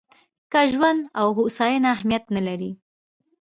که ژوند او هوساینه اهمیت نه لري.